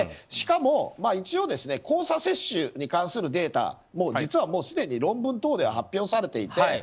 しかも、一応交差接種に関するデータも実はすでに論文等で発表されていて